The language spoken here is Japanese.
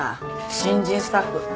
新人スタッフ。